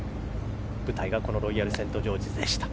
舞台がこのロイヤルセントジョージズでした。